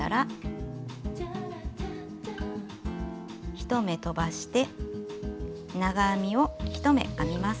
１目とばして長編みを１目編みます。